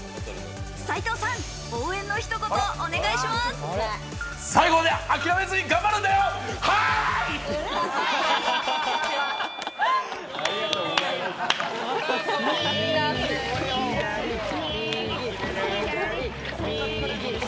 斉藤さん、応援の一言お願いします。